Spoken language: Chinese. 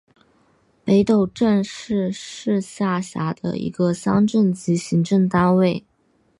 北陡镇是是下辖的一个乡镇级行政单位。